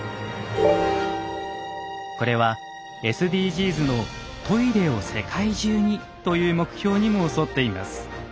これはＳＤＧｓの「トイレを世界中に」という目標にも沿っています。